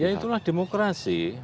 ya itulah demokrasi